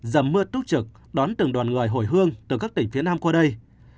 dầm mưa túc trực đón từng đoàn người hồi hương từ các tỉnh phía nam qua đây